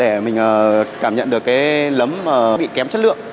để mình cảm nhận được cái lấm bị kém chất lượng